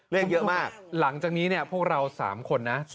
เลขเยอะมากหลังจากนี้เนี่ยพวกเรา๓คนนะ